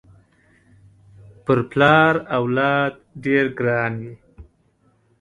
پر پلار اولاد ډېر ګران وي